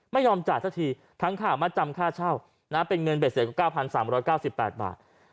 ไม่ยอมจ่ายสักทีทั้งค่ามัดจำค่าเช่าเป็นเงินเบ็ดเสร็จก็๙๓๙๘บาท